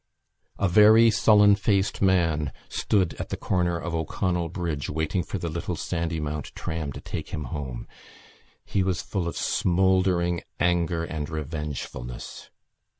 A very sullen faced man stood at the corner of O'Connell Bridge waiting for the little Sandymount tram to take him home. He was full of smouldering anger and revengefulness.